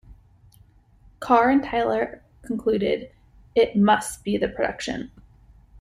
Carr and Tyler concluded: "It "must" be the production.